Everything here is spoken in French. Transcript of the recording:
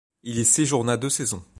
Il y séjourna deux saisons.